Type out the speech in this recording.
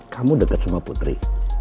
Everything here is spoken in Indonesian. kamu deket sama putri